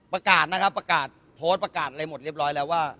ประกาศนะครับประกาศโพสต์ประกาศอะไรหมดเรียบร้อยแล้วว่า